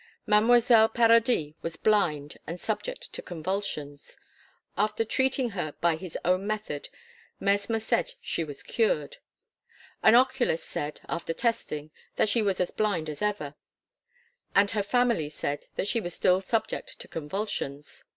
Mademoiselle Paradis was blind and subject to convulsions. After treating her by his own method Mesmer said she was cured. An oculist said, after testing, that she was as blind as ever, and her family said that she was still subject to convulsions.